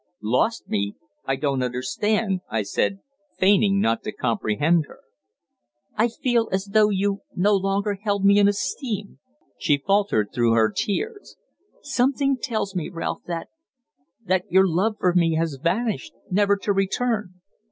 "Lost me! I don't understand," I said, feigning not to comprehend her. "I feel as though you no longer hold me in esteem," she faltered through her tears. "Something tells me, Ralph, that that your love for me has vanished, never to return!"